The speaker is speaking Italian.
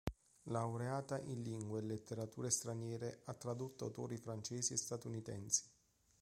Laureata in Lingue e Letterature straniere, ha tradotto autori francesi e statunitensi.